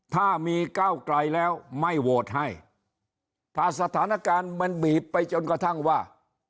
ถ้ามีก้าวไกลแล้วไม่โหวตให้ถ้าสถานการณ์มันบีบไปจนกระทั่งว่า